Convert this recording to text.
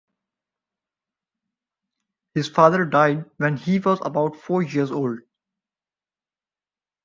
His father died when he was about four years old.